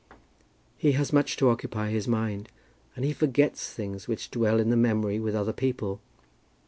"He has much to occupy his mind, and he forgets things which dwell in the memory with other people.